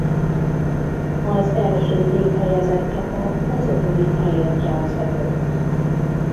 Az első két helyezett csapat az ötödik helyért játszhatott.